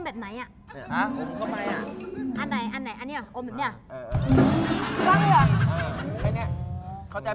อมแบบไหนอ่ะ